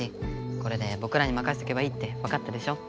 これでぼくらにまかせておけばいいってわかったでしょ。